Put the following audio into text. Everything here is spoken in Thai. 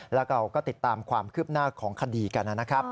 แล้วเราก็ติดตามความคืบหน้าของคดีกันนะครับ